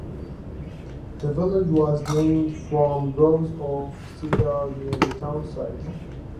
The village was named from groves of cedar near the town site.